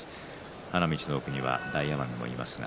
花道の大奄美もいます。